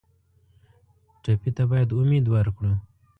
ټپي ته باید امید ورکړو.